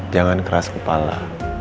jangan keras kepala